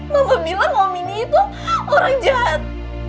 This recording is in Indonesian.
mama bilang om ini tuh orang jahat